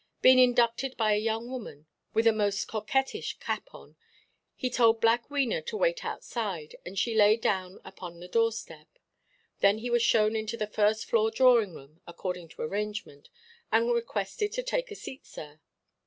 Being inducted by a young woman, with a most coquettish cap on, he told black Wena to wait outside, and she lay down upon the door–step. Then he was shown into the "first–floor drawing–room," according to arrangement, and requested to "take a seat, sir."